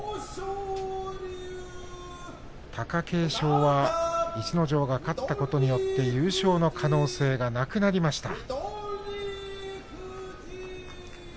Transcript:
貴景勝は逸ノ城が勝ったことによって優勝の可能性がなくなりました。